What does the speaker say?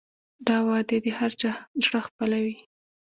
دا وعدې د هر چا زړه خپلوي.